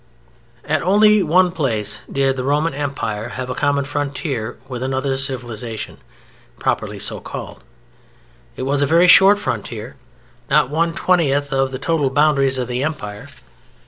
At only one place did the Roman Empire have a common frontier with another civilization, properly so called. It was a very short frontier, not one twentieth of the total boundaries of the Empire.